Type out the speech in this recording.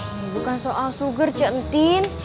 bukan soal suger centin